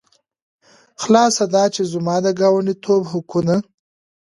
خلاصه دا چې زما د ګاونډیتوب حقونه.